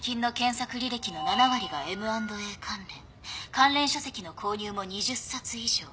関連書籍の購入も２０冊以上。